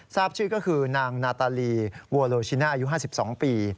ทราบชื่อก็คือนางนาตาลีโวโลชิน่าอายุ๕๒ปี